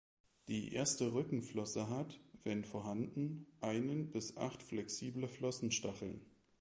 Die erste Rückenflosse hat, wenn vorhanden, einen bis acht flexible Flossenstacheln.